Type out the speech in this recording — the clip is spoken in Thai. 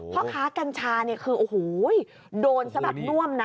เพราะค้ากัญชาคือโอ้โหโดนสำหรับน่วมนะ